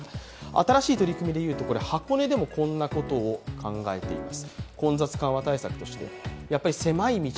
新しい取り組みでいうと、箱根でもこんなことを考えています。